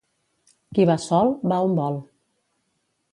Qui va sol, va on vol.